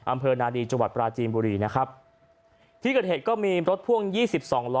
อำเภอนาดีจังหวัดปราจีนบุรีนะครับที่เกิดเหตุก็มีรถพ่วงยี่สิบสองล้อ